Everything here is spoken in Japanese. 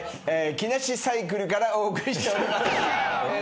木梨サイクルからお送りしております。